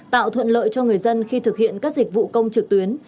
tạo thuận lợi cho người dân khi thực hiện các dịch vụ công trực tuyến